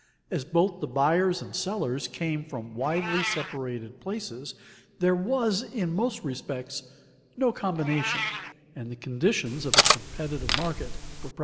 As both the buyers and sellers came from widely separated places, there was, in most respects, no combination, and the conditions of a competitive market were present.